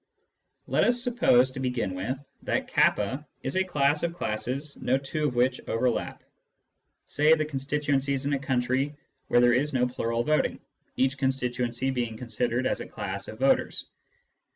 Let us suppose to begin with that k is a class of classes no two of which overlap — say the constituencies in a country where there is no plural voting, each constituency being considered as a class of voters.